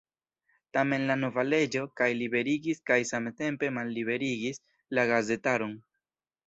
Tamen la nova leĝo kaj liberigis kaj samtempe malliberigis la gazetaron.